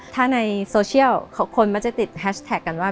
ถ้าในโซเชียลคนมักจะติดแฮชแท็กกันว่า